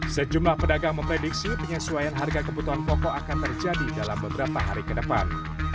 sejumlah pedagang memprediksi penyesuaian harga kebutuhan pokok akan terjadi dalam beberapa hari ke depan